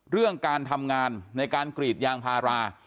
เรื่องการทำงานในการกรีดยางพารา